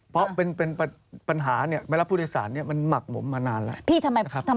เพราะเป็นปัญหาเนี่ยไม่รับผู้โดยสารเนี่ยมันหมักหมมมานานแล้ว